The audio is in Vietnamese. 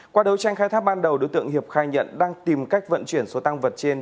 qua đấu tranh khai thác ban đầu đối tượng hiệp khai nhận đang tìm cách vận chuyển số tăng vật trên